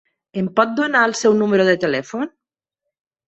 Em pot donar el seu número de telèfon?